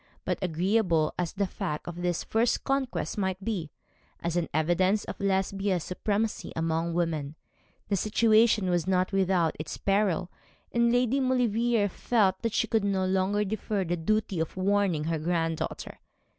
But agreeable as the fact of this first conquest might be, as an evidence of Lesbia's supremacy among women, the situation was not without its peril; and Lady Maulevrier felt that she could no longer defer the duty of warning her granddaughter.